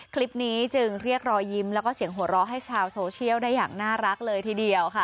คลิปนี้จึงเรียกรอยยิ้มแล้วก็เสียงหัวเราะให้ชาวโซเชียลได้อย่างน่ารักเลยทีเดียวค่ะ